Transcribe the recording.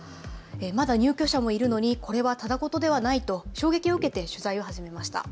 まだ入居者もいるのにこれはただ事ではないと衝撃を受けて取材を始めました。